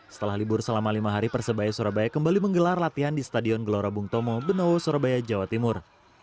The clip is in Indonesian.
setelah libur selama lima hari persebaya surabaya kembali menggelar latihan di stadion gelora bung tomo benowo surabaya jawa timur